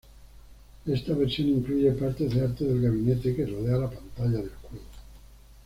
Esta versión incluye partes del arte del gabinete que rodea la pantalla del juego.